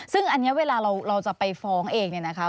ซึ่งอันนี้เวลาเราจะไปฟ้องเองเนี่ยนะคะ